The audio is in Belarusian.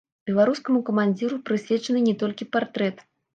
Беларускаму камандзіру прысвечаны не толькі партрэт.